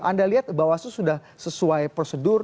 anda lihat bawaslu sudah sesuai prosedur